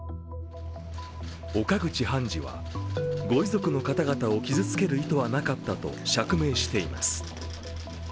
岡口判事は、ご遺族の方々を傷つける意図はなかったと釈明しています。